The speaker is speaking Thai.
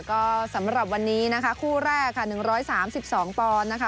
ก็สำหรับวันนี้นะคะคู่แรกค่ะหนึ่งร้อยสามสิบสองปอนด์นะคะ